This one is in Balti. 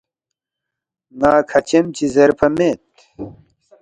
نہ کھچیم چی زیرفا مید